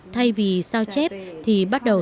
thay vì sao chép thì bắt đầu